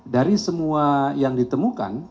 dari semua yang ditemukan